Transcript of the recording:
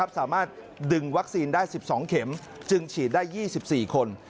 สามารถดึงวัคซีนได้๑๒เข็มจึงฉีดได้๒๔คน